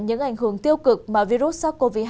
những ảnh hưởng tiêu cực mà virus sars cov hai